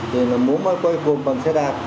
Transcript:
rồi là muốn quay cùng bằng xe đạp